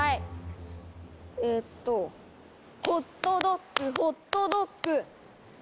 えっとホットドッグホットドッグ。